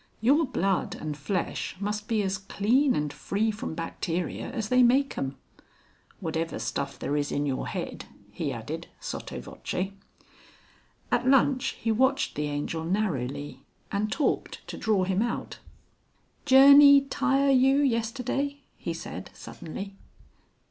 "Your blood and flesh must be as clean and free from bacteria as they make 'em. Whatever stuff there is in your head," he added sotto voce. At lunch he watched the Angel narrowly, and talked to draw him out. "Journey tire you yesterday?" he said suddenly.